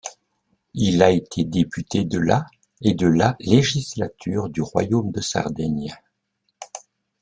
Il a été député de la et de la législatures du royaume de Sardaigne.